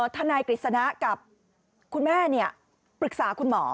ทนายกฤษณะกับคุณแม่ปรึกษาคุณหมอ